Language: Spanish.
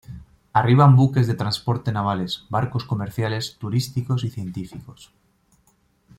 Arriban buques de transporte navales, barcos comerciales, turísticos y científicos.